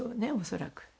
恐らく。